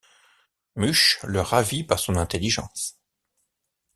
Muche le ravit par son intelligence.